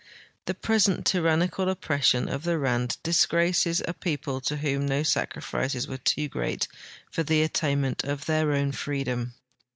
The present tyrannical oppres sion of the Rand disgraces a people to whom no sacrifices were too great for the attainment of their own freedom.